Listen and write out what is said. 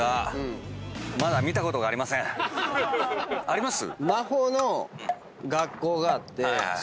あります？